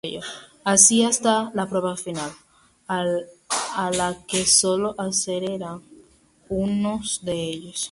Así hasta la prueba final, a la que solo accederá uno de ellos.